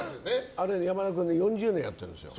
あれ、山田君４０年やってるんですよ。